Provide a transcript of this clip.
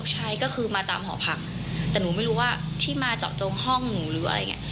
ใช่ก็คือมาตามหอพักแต่หนูไม่รู้ว่าที่มาเจาะจงห้องหนูหรืออะไรอย่างนี้